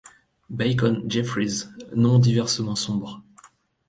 Bacon, Jeffrys, noms diversement sombres.